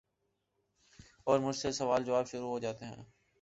اور مجھ سے سوال جواب شروع ہو جاتے ہیں ۔